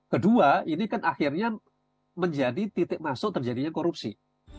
kedua ini kan akhirnya menjadi titik masuk terjadinya korupsi